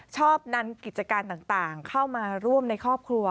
ชอบนำกิจการต่างเข้ามาร่วมในครอบครัว